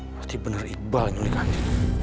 berarti bener iqbal nyulik andin